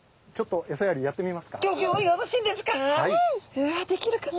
うわできるかな。